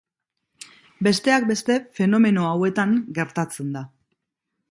Besteak beste fenomeno hauetan gertatzen da.